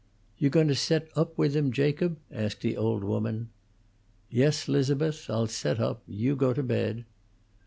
"You goin' to set up with him, Jacob?" asked the old woman. "Yes, 'Liz'beth, I'll set up. You go to bed."